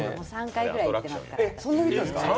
３回くらい行ってますから。